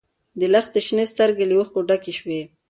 د لښتې شنې سترګې له اوښکو ډکې شوې.